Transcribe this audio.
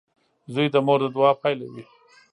• زوی د مور د دعا پایله وي.